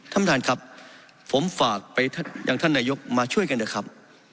ท่านประธานครับผมฝากไปยังท่านนายกมาช่วยกันเถอะครับ